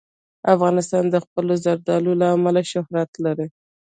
افغانستان د خپلو زردالو له امله شهرت لري.